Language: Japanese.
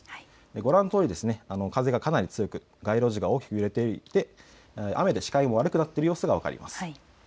ご覧のとおり風がかなり強く街路樹が大きく揺れていて雨で視界が悪くなっている様子が分かります。